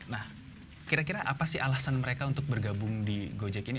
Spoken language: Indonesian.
nah kira kira apa sih alasan mereka untuk bergabung di gojek ini